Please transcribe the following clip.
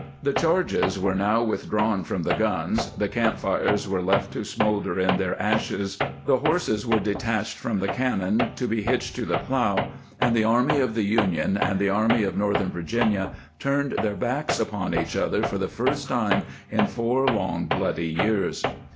The charges were now withdrawn from the guns, the camp fires were left to smolder in their ashes, the horses were detached from the cannon to be hitched to the plow, and the Army of the Union and the Army of Northern Virginia turned their backs upon each other for the first time in four long, bloody years.